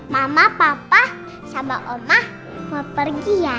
mama papa sama oma mau pergi ya